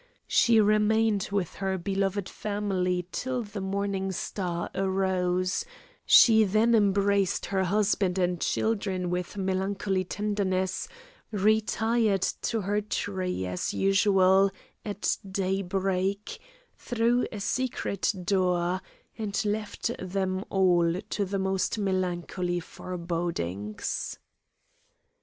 She remained with her beloved family till the morning star arose; she then embraced her husband and children with melancholy tenderness, retired to her tree as usual, at day break, through a secret door, and left them all to the most melancholy forebodings.